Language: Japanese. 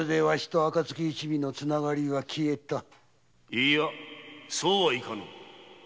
・いいやそうはいかぬ。